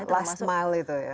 last mile itu ya